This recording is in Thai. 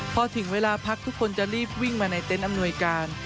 พอถึงเวลาพักทุกคนจะรีบวิ่งมาในเต็นต์อำนวยการ